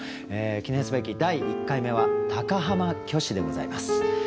記念すべき第１回目は高浜虚子でございます。